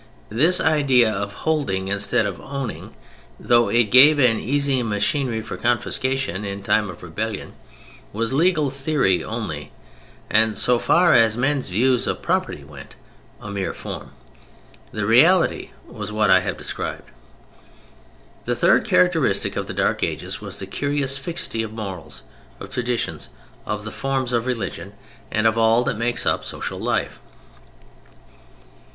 This idea of "holding" instead of "owning," though it gave an easy machinery for confiscation in time of rebellion, was legal theory only, and, so far as men's views of property went, a mere form. The reality was what I have described. The third characteristic of the Dark Ages was the curious fixity of morals, of traditions, of the forms of religion, and of all that makes up social life.